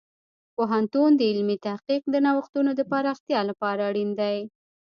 پوهنتون د علمي تحقیق د نوښتونو د پراختیا لپاره اړین دی.